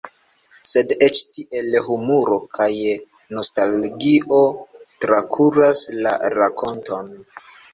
Sed eĉ tiel humuro kaj nostalgio trakuras la rakonton.